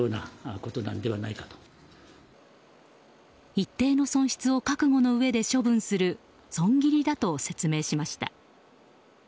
一定の損失を覚悟のうえで処分する損切りだと説明しました。